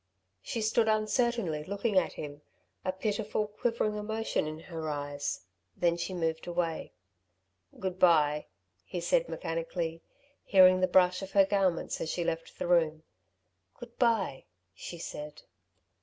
She stood uncertainly looking at him, a pitiful, quivering emotion in her eyes; then she moved away. "Good bye," he said, mechanically, hearing the brush of her garments as she left the room. "Good bye," she said.